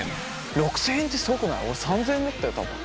６，０００円ってすごくない俺３，０００円だったよ多分。